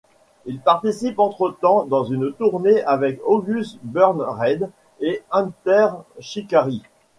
Ils participent entretemps dans une tournée avec August Burns Red et Enter Shikari.